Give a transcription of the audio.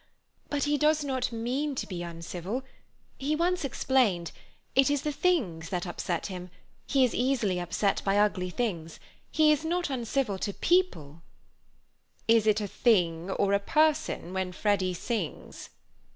But he does not mean to be uncivil—he once explained—it is the things that upset him—he is easily upset by ugly things—he is not uncivil to people." "Is it a thing or a person when Freddy sings?"